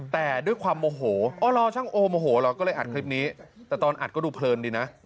แต่ด้วยความโมโหอ๋อเหรอช่างโอโมโหหรอก็เลยอัดคลิปนี้แต่ตอนอัดก็ดูเพลินดีนะ